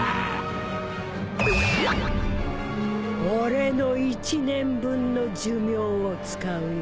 俺の１年分の寿命を使うよ。